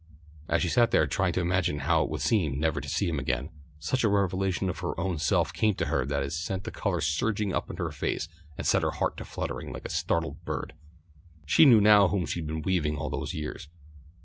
As she sat there trying to imagine how it would seem never to see him again, such a revelation of her own self came to her that it sent the colour surging up in her face and set her heart to fluttering like a startled bird. She knew now for whom she had been weaving all these years.